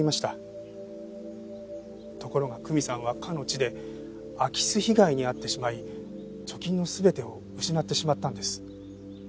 ところが久美さんはかの地で空き巣被害に遭ってしまい貯金の全てを失ってしまったんです。